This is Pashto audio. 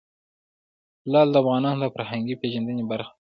لعل د افغانانو د فرهنګي پیژندنې برخه ده.